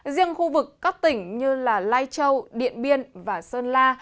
riêng khu vực các tỉnh như lai châu điện biên và sơn la